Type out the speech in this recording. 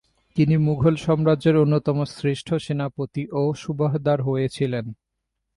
তিনি মুগল সাম্রাজ্যের অন্যতম শ্রেষ্ঠ সেনাপতি ও সুবাহদার হয়েছিলেন।